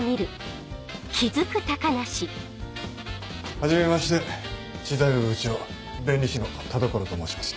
はじめまして知財部部長弁理士の田所と申します。